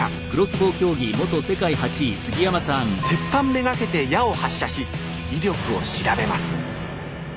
鉄板目がけて矢を発射し威力を調べます